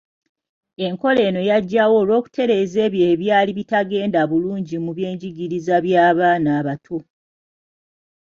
Enkola eno yajjawo olw’okutereeza ebyo ebyali bitagenda bulungi mu by’enjigiriza by’abaana abato.